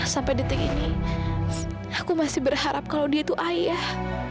sampai detik ini aku masih berharap kalau dia itu ayah